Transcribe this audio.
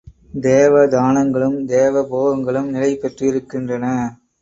தேவதானங்களும், தேவ போகங்களும் நிலை பெற்றிருக்கின்றன.